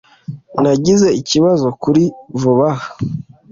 Nagize ikibazo kuri vuba aha.